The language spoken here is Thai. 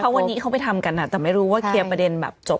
วันนี้เขาไปทำกันแต่ไม่รู้ว่าเคลียร์ประเด็นแบบจบ